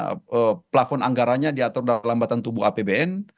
jadi kebanyakan pelafon anggaranya diatur dalam batang tubuh apbn